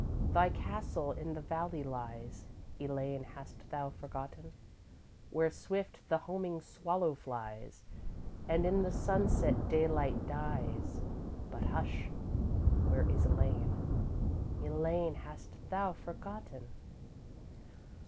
Thy castle in the valley lies, Elaine, hast thou forgotten? Where swift the homing swallow flies And in the sunset daylight dies But hush! Where is Elaine? Elaine, hast thou forgotten?